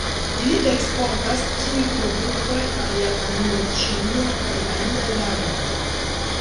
Ili eksportas tiuj produktoj al Japanio, Ĉinio kaj aliaj landoj.